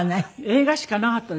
映画しかなかったでしょ。